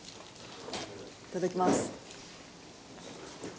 いただきます。